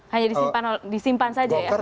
hanya disimpan saja ya